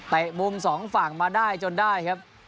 มุมสองฝั่งมาได้จนได้ครับ